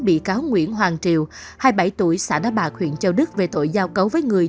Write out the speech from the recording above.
bị cáo nguyễn hoàng triều hai mươi bảy tuổi xã đá bạc huyện châu đức về tội giao cấu với người